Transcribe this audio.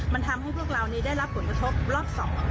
มันทำให้พวกเรานี้ได้รับผลกระทบรอบ๒